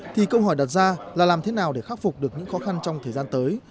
thì câu hỏi đặt ra là làm thế nào để khắc phục được những khó khăn trong thời gian tới